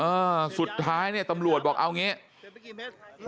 เออสุดท้ายเนี่ยตำรวจบอกเอาอย่างนี้